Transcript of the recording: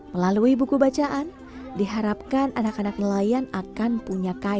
melalui buku bacaan diharapkan anak anak nelayan akan punya kaya